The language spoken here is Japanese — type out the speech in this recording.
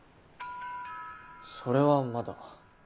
それはまだ。